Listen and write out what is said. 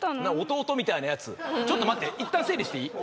弟みたいなやつちょっと待っていったん整理していい？